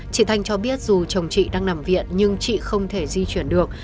chị thanh cho biết dù chồng chị đang nằm viện nhưng chị không thể di chuyển được